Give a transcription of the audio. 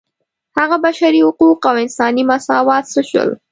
هغه بشري حقوق او انساني مساوات څه شول.